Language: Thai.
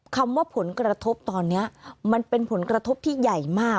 คำว่าผลกระทบตอนนี้มันเป็นผลกระทบที่ใหญ่มาก